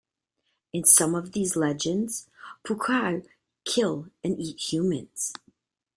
In some of these legends pouakai kill and eat humans.